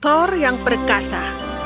thor yang perkasa